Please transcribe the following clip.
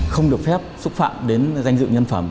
không được phép xúc phạm đến danh dự nhân phẩm